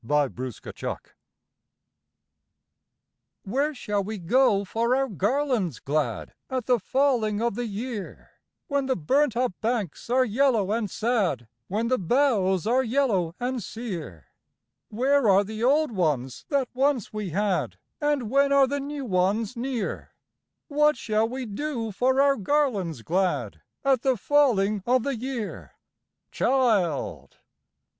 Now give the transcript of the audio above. A Song of Autumn "Where shall we go for our garlands glad At the falling of the year, When the burnt up banks are yellow and sad, When the boughs are yellow and sere? Where are the old ones that once we had, And when are the new ones near? What shall we do for our garlands glad At the falling of the year?" "Child!